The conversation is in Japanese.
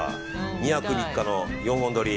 ２泊３日の４本撮り。